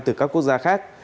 từ các quốc gia khác